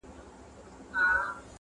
ستا د میني زولنو کي زولانه سوم,